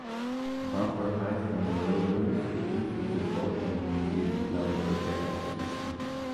Bumper height from the roadway surface is important in engaging other protective systems.